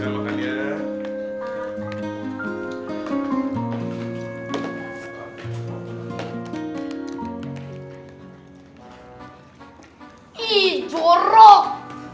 eh aku tuh gak jorok